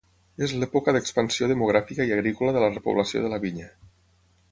És l'època d'expansió demogràfica i agrícola de la repoblació de la vinya.